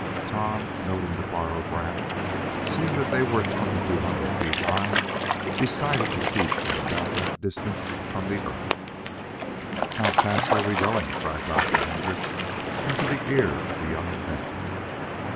Tom, noting the barograph, and seeing that they were twenty two hundred feet high, decided to keep at about that distance from the earth. "How fast are we going?" cried Dr. Hendrix, into the ear of the young inventor.